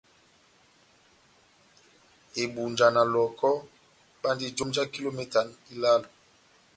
Ebunja na Lɔh᷅ɔkɔ bandi jomu já kilometa ilálo.